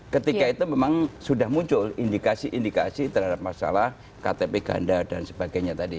ketika itu memang sudah muncul indikasi indikasi terhadap masalah ktp ganda dan sebagainya tadi